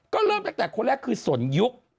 ก็เริ่มจากคนแรกคือส่วนยุค